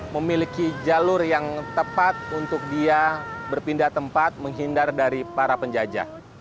memiliki jalur yang tepat untuk dia berpindah tempat menghindar dari para penjajah